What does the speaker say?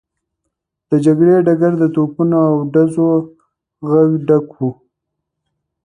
د جګړې ډګر د توپونو او ډزو غږ ډک و.